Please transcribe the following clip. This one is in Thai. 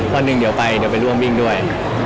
วันหนึ่งเดี๋ยวไปเดี๋ยวไปร่วมวิ่งด้วย